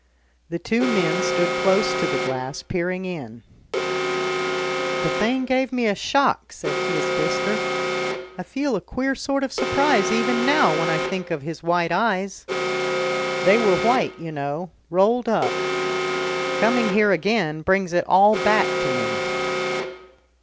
The two men stood close to the glass, peering in. "The thing gave me a shock," said Isbister. "I feel a queer sort of surprise even now when I think of his white eyes. They were white, you know, rolled up. Coming here again brings it all back to me."